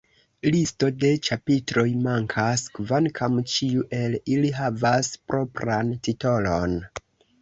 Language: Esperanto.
Listo de ĉapitroj mankas, kvankam ĉiu el ili havas propran titolon.